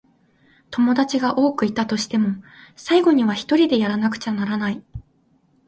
友達が多くいたとしても、最後にはひとりでやらなくちゃならない。